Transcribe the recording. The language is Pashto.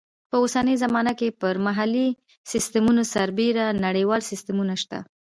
په اوسنۍ زمانه کې پر محلي سیسټمونو سربیره نړیوال سیسټمونه شته.